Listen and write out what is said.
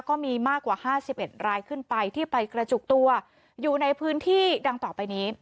ก็มีมากกว่า๕๑รายขึ้นไปที่ไปกระจุกตัวอยู่ในพื้นที่ดังต่อไปนี้